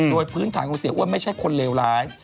โดยพื้นฐานของเสียอ้วนไม่ใช่คนเลวร้าย